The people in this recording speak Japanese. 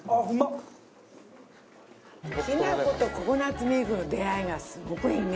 きなことココナッツミルクの出会いがすごくいいね。